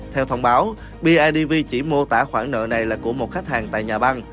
theo thông báo bidv chỉ mô tả khoản nợ này là của một khách hàng tại nhà băng